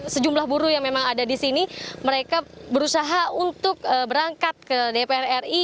sejumlah buruh yang memang ada di sini mereka berusaha untuk berangkat ke dpr ri